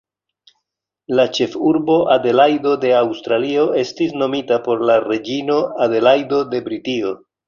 La ĉefurbo Adelajdo de Aŭstralio estis nomita por la reĝino Adelajdo de Britio.